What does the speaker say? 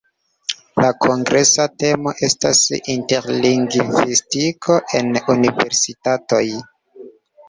La kongresa temo estas: "Interlingvistiko en universitatoj".